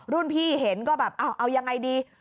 รุ่นพี่เห็นก็แบบเอายังไงดี